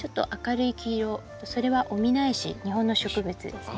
それはオミナエシ日本の植物ですね。